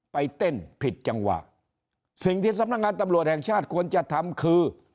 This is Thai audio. ไปเต้นผิดจังหวะสิ่งที่สำนักงานตำรวจแห่งชาติควรจะทำคือ